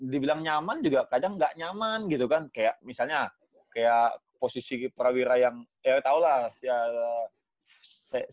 dibilang nyaman juga kadang gak nyaman gitu kan kayak misalnya kayak posisi prawira yang ya tau lah ya adalah